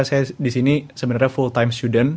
saya disini sebenarnya full time student